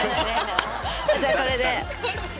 じゃあこれで。